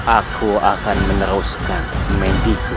aku akan meneruskan sementiku